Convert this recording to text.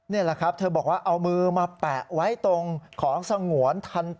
นี่แหละครับเธอบอกว่าเอามือมาแปะไว้ตรงของสงวน